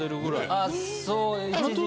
あっそう。